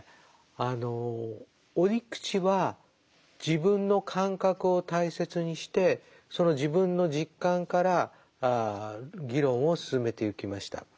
あの折口は自分の感覚を大切にしてその自分の実感から議論を進めてゆきました。